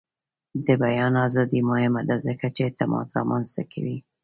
د بیان ازادي مهمه ده ځکه چې اعتماد رامنځته کوي.